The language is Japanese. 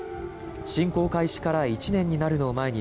侵攻開始から１年になるのを前に